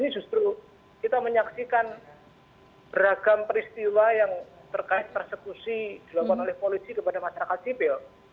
justru kita menyaksikan beragam peristiwa yang terkait persekusi dilakukan oleh polisi kepada masyarakat sipil